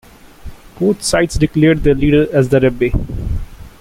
Both sides declared their leader as the Rebbe.